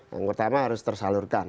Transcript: yang pertama harus tersalurkan